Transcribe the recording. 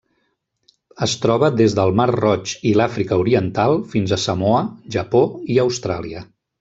Es troba des del Mar Roig i l'Àfrica Oriental fins a Samoa, Japó i Austràlia.